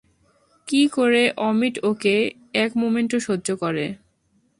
কী করে অমিট ওকে এক মোমেন্টও সহ্য করে।